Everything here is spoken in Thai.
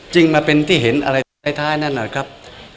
จึงมาเป็นที่เห็นอะไรท้ายนั่นแหละครับ